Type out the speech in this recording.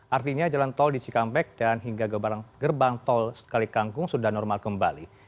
artinya jalan tol di cikampek dan hingga gerbang tol kalikangkung sudah normal kembali